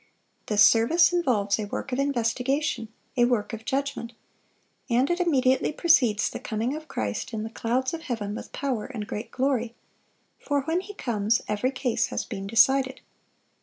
This service involves a work of investigation, a work of judgment; and it immediately precedes the coming of Christ in the clouds of heaven with power and great glory; for when He comes, every case has been decided.